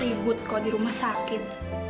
ribut kalau di rumah sakit